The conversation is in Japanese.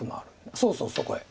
そうそうそこへ。